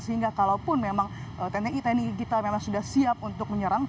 sehingga kalaupun memang tni tni kita memang sudah siap untuk menyerang